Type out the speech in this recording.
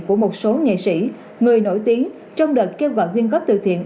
của một số nghệ sĩ người nổi tiếng trong đợt kêu gọi quyên góp từ thiện